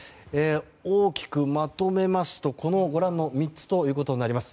大きくまとめますとご覧の３つとなります。